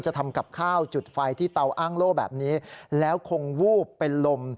ทำกับข้าวจุดไฟที่เตาอ้างโล่แบบนี้แล้วคงวูบเป็นลม